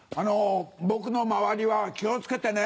僕の周りは気を付けてね。